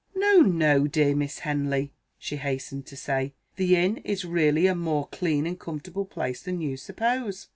"No, no, dear Miss Henley," she hastened to say; "the inn is really a more clean and comfortable place than you suppose.